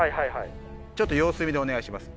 ちょっと様子見でお願いします